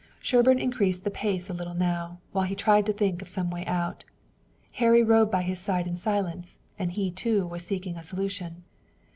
Sherburne increased the pace a little now, while he tried to think of some way out. Harry rode by his side in silence, and he, too, was seeking a solution.